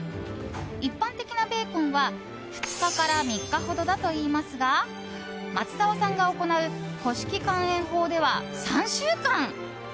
一般的なベーコンは２日から３日ほどだといいますが松澤さんが行う古式乾塩法では３週間。